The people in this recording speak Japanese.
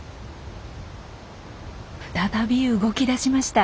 再び動き出しました。